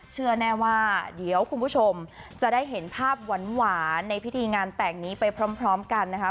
เชื่อแน่ว่าเดี๋ยวคุณผู้ชมจะได้เห็นภาพหวานในพิธีงานแต่งนี้ไปพร้อมกันนะคะ